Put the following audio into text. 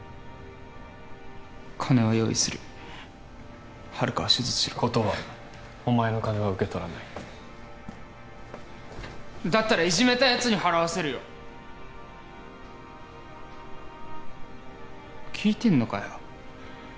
金は用意する遙を手術しろ断るお前の金は受け取らないだったらいじめたやつに払わせるよ聞いてんのかよ